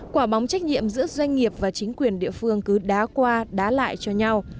quả bóng trách nhiệm giữa doanh nghiệp và chính quyền địa phương cứ đá qua đá lại cho nhau